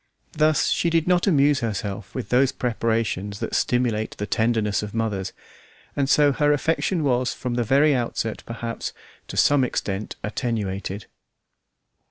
Thus she did not amuse herself with those preparations that stimulate the tenderness of mothers, and so her affection was from the very outset, perhaps, to some extent attenuated.